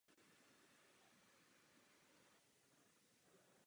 Je řazen mezi polské konzervativce.